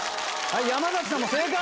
山崎さんも正解！